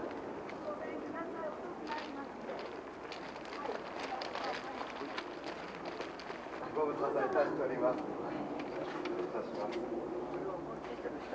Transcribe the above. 失礼いたします。